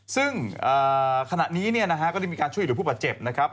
ซึ่งขณะนี้เนี่ยนะฮะก็ได้มีการช่วยหลวงผู้ป่าเจ็บนะครับ